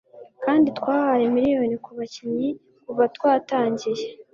kandi twahaye miliyoni ku bakinnyi kuva twatangira